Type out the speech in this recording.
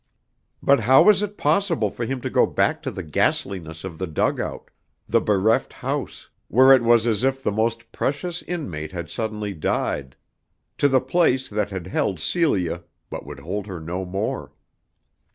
But how was it possible for him to go back to the ghastliness of the dugout, the bereft house, where it was as if the most precious inmate had suddenly died to the place that had held Celia but would hold her no more!